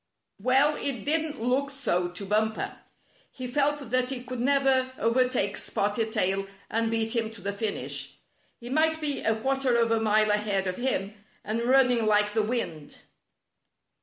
Well, it didn't look so to Bumper. He felt that he could never overtake Spotted Tail and beat him to the finish. He might be a quarter of a mile ahead of him, and running like the wind.